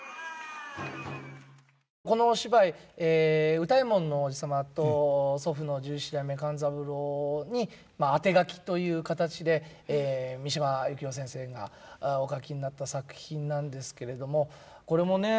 このお芝居歌右衛門のおじ様と祖父の十七代目勘三郎にあてがきという形で三島由紀夫先生がお書きになった作品なんですけれどもこれもね